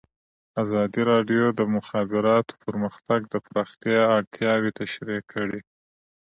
ازادي راډیو د د مخابراتو پرمختګ د پراختیا اړتیاوې تشریح کړي.